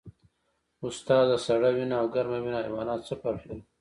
استاده سړه وینه او ګرمه وینه حیوانات څه فرق لري